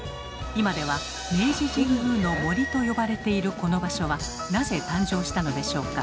今では明治神宮の「森」と呼ばれているこの場所はなぜ誕生したのでしょうか？